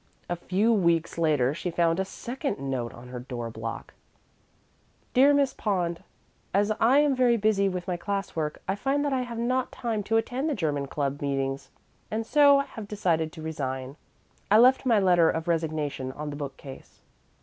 A few weeks later she found a second note on her door block: DEAR MISS POND: As I am very busy with my class work, I find that I have not time to attend the German Club meetings, and so have decided to resign. I left my letter of resignation on the bookcase.